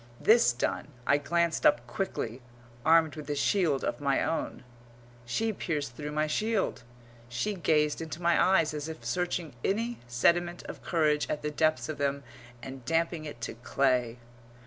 This done, I glanced up quickly, armed with a shield of my own. She pierced through my shield; she gazed into my eyes as if searching any sediment of courage at the depths of them and damping it to clay.